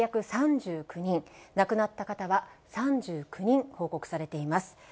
亡くなった方は３９人報告されています。